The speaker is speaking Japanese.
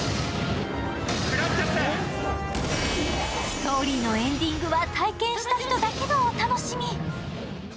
ストーリーのエンディングは体験した人だけのお楽しみ。